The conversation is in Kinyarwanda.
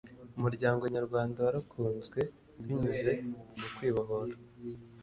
umuryango nyarwanda warakunzwe binyuze mu kwibohora